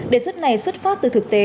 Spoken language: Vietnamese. đề xuất này xuất phát từ thực tế